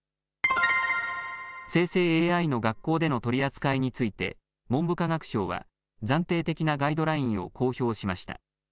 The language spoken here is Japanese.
生成ＡＩの学校での取り扱いについて文部科学省は暫定的なガイドラインを公表しました。